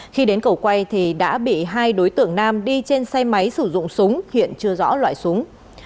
khi đến cầu quay thì đã bị hai đối tượng nam đi trên xe máy sử dụng súng hiện chưa rõ loại súng